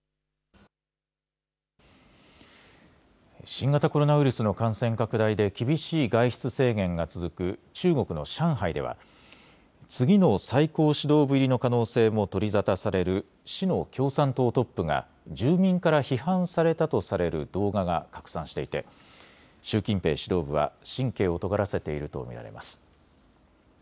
新型コロナウイルスの感染拡大で厳しい外出制限が続く中国の上海では次の最高指導部入りの可能性も取り沙汰される市の共産党トップが住民から批判されたとされる動画が拡散していて習近平指導部は神経をとがらせていると見られます。